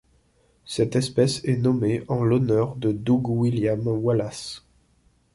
Cette espèce est nommée en l'honneur de Doug William Wallace.